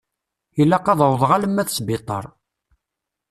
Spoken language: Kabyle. Ilaq ad awḍeɣ alma d sbiṭar.